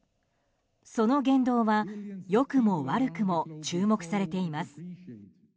その言動は、良くも悪くも注目されています。